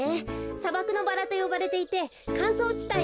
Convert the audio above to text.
さばくのバラとよばれていてかんそうちたいにさく。